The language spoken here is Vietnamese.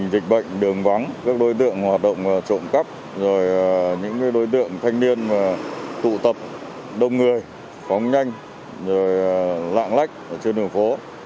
dịch bệnh đường vắng các đối tượng hoạt động trộm cắp những đối tượng thanh niên tụ tập đông người phóng nhanh lạng lách trên đường phố